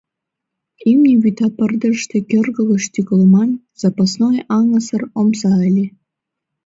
Имне вӱта пырдыжыште кӧргӧ гыч тӱкылыман запасной аҥысыр омса ыле.